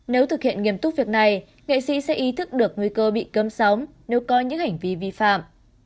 nếu thực hiện nghiêm túc việc này nghệ sĩ sẽ ý thức được nguy cơ bị cấm sóng nếu có những hành vi vi phạm